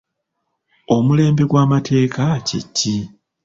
Omulembe gw'amateeka kye ki?